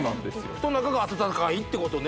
布団の中が温かいってことね